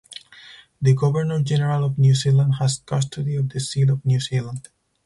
The Governor-General of New Zealand has custody of the Seal of New Zealand.